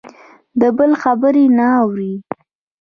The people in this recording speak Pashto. د بل خبرې نه اوري.